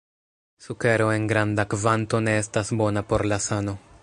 Sukero en granda kvanto ne estas bona por la sano.